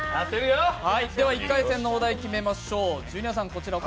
では１回戦のお題、決めましょう。